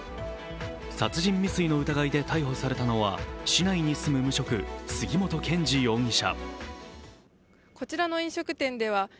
殺人未遂の疑いで逮捕されたのは市内に住む無職、杉本健治容疑者。